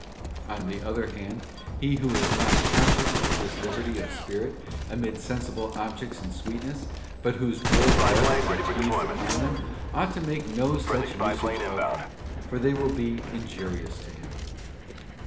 267 On the other hand, he who is not conscious of this liberty of spirit, amid sensible objects and sweetness, but whose will rests and feeds upon them, ought to make no such usage of them, for they will be injurious to him.